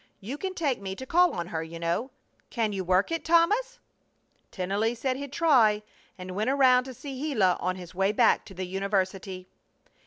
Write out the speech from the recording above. You can take me to call on her, you know. Can you work it, Thomas?" Tennelly said he'd try, and went around to see Gila on his way back to the university.